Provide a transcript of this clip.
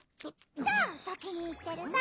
じゃあ先に行ってるさ。